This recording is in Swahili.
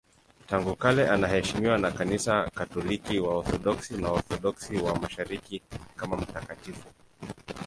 Tangu kale anaheshimiwa na Kanisa Katoliki, Waorthodoksi na Waorthodoksi wa Mashariki kama mtakatifu.